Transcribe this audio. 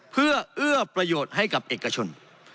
เพื่อเอื้อประโยชน์ให้กับเอกชน